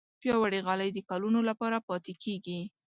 پیاوړې غالۍ د کلونو لپاره پاتې کېږي.